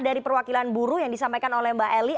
dari perwakilan buruh yang disampaikan oleh mbak eli